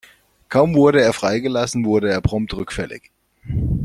Kaum wurde er freigelassen, wurde er prompt rückfällig.